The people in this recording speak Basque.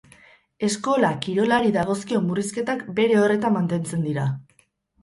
Eskola kirolari dagozkion murrizketak bere horretan mantentzen dira.